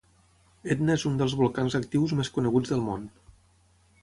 Etna és un dels volcans actius més coneguts del món.